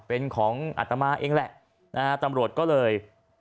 เป็นของอัตมาเองแหละนะฮะตำรวจก็เลย